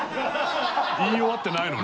言い終わってないのに。